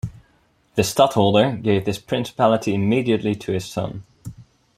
The stadtholder gave this principality immediately to his son.